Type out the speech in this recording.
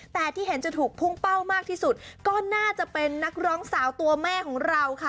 แต่ที่เห็นจะถูกพุ่งเป้ามากที่สุดก็น่าจะเป็นนักร้องสาวตัวแม่ของเราค่ะ